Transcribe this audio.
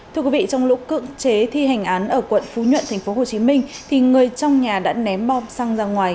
thưa quý vị trong lúc cưỡng chế thi hành án ở quận phú nhuận tp hcm thì người trong nhà đã ném bom xăng ra ngoài